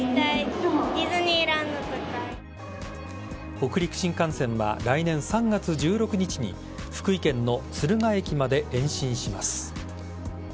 北陸新幹線は来年３月１６日に福井県の敦賀駅まで延伸します。